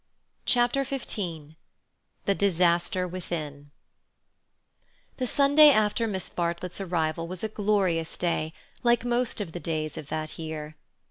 Chapter XV The Disaster Within The Sunday after Miss Bartlett's arrival was a glorious day, like most of the days of that year.